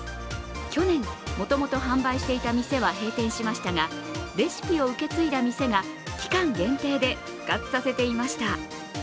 去年、もともと販売した店は閉店しましたがレシピを受け継いだ店が期間限定で復活させていました。